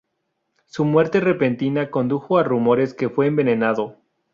Su muerte repentina condujo a rumores que fue envenenado.